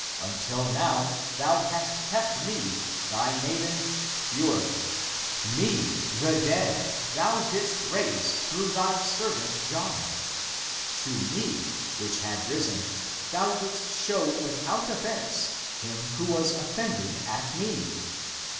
Until now thou hast kept me, thy maiden, pure. Me, the dead, thou didst raise through thy servant John, To me, which had risen, thou didst show without offense him who was offended (at me).